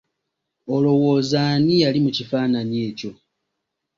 Olowooza ani yali mu kifaanaanyi ekyo?